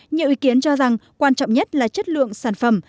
nhiều ý kiến cho rằng quan trọng nhất là chất lượng sản phẩm